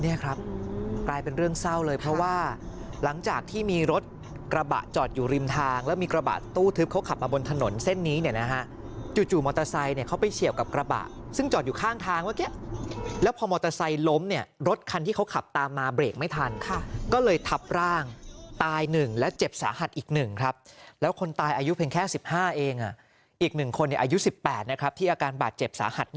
โอ้โฮโอ้โฮโอ้โฮโอ้โฮโอ้โฮโอ้โฮโอ้โฮโอ้โฮโอ้โฮโอ้โฮโอ้โฮโอ้โฮโอ้โฮโอ้โฮโอ้โฮโอ้โฮโอ้โฮโอ้โฮโอ้โฮโอ้โฮโอ้โฮโอ้โฮโอ้โฮโอ้โฮโอ้โฮโอ้โฮโอ้โฮโอ้โฮโอ้โฮโอ้โฮโอ้โฮโอ้โฮ